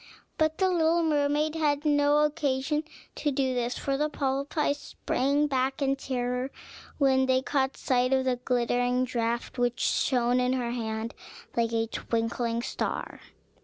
But the little mermaid had no occasion to do this, for the polypi sprang back in terror when they caught sight of the glittering draught, which shone in her hand like a twinkling star.